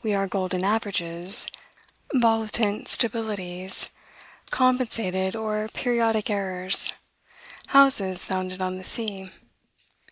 We are golden averages, volitant stabilities, compensated or periodic errors, houses founded on the sea.